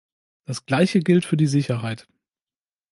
Das Gleiche gilt für die Sicherheit.